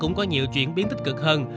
cũng có nhiều chuyển biến tích cực hơn